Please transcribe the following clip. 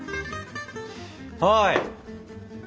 はい。